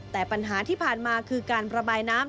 แต่ปัญหาที่ผ่านมาคือการประบายน้ำ